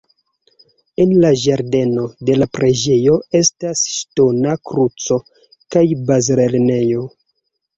En la ĝardeno de la preĝejo estas ŝtona kruco kaj bazlernejo.